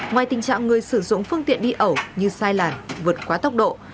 ngoài tình trạng người sử dụng phương tiện đi ẩu như sai làn vượt quá tốc độ